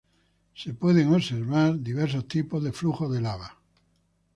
Diversos tipos de flujo de lava pueden observarse.